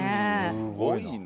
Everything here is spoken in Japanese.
すごいね。